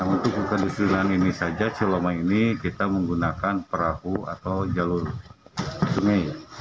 untuk kekedustrian ini saja selama ini kita menggunakan perahu atau jalur sungai